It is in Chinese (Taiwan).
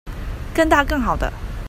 更大更好的